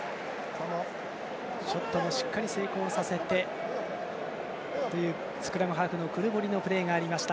ショットもしっかり成功させてというスクラムハーフのクルボリのプレーがありました。